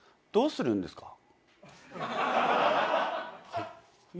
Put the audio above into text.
はい？